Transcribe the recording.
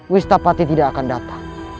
wistapati tidak akan datang